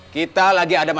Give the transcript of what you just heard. tidak ada yang harus diubah